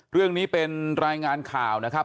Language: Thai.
เรื่องนี้เป็นรายงานข่าวนะครับ